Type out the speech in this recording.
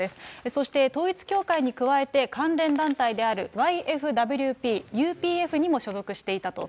そして統一教会に加えて、関連団体であるＹＦＷＰ、ＵＰＦにも所属していたと。